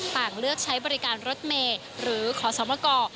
ต่างเลือกใช้บริการรถเมย์หรือขอสมกร